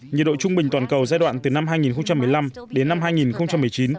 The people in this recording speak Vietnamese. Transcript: nhiệt độ trung bình toàn cầu giai đoạn từ năm hai nghìn một mươi năm đến năm hai nghìn một mươi chín